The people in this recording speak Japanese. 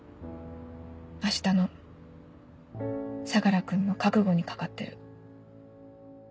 明日の相楽君の覚悟に懸かってる。